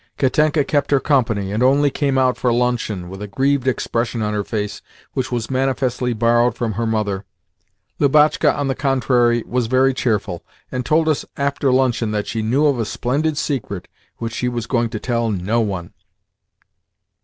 Katenka kept her company, and only came out for luncheon, with a grieved expression on her face which was manifestly borrowed from her mother. Lubotshka, on the contrary, was very cheerful, and told us after luncheon that she knew of a splendid secret which she was going to tell no one.